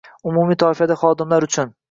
umumiy toifadagi xodimlar uchun